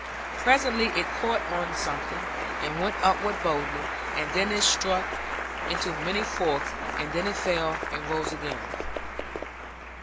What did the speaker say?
Presently it caught on something, and went upward boldly; and then it struck into many forks, and then it fell, and rose again.